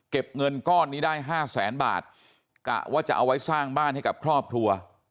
เงินก้อนนี้ได้ห้าแสนบาทกะว่าจะเอาไว้สร้างบ้านให้กับครอบครัว